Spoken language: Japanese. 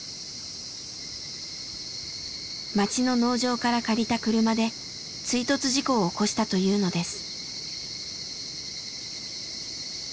町の農場から借りた車で追突事故を起こしたというのです。